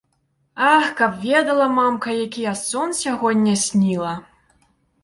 Ах, каб ведала, мамка, які я сон сягоння сніла?!